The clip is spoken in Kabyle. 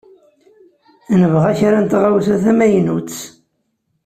Nebɣa kra n tɣawsa tamaynutt.